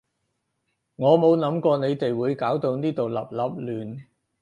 我冇諗過你哋會搞到呢度笠笠亂